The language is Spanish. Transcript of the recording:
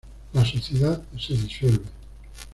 La sociedad se disuelve.